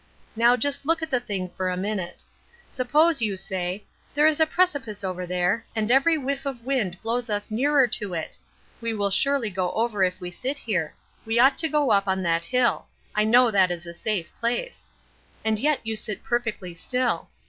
Now just look at the thing for a minute. Suppose you say, 'There is a precipice over there, and every whiff of wind blows us nearer to it; we will surely go over if we sit here; we ought to go up on that hill; I know that is a safe place,' and yet you sit perfectly still.